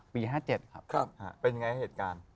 เป็นยังไงเหตุการณ์